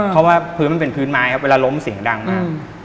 เพราะว่าพื้นมันเป็นพื้นไม้ครับเวลาล้มเสียงดังมาก